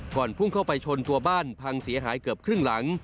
พุ่งเข้าไปชนตัวบ้านพังเสียหายเกือบครึ่งหลัง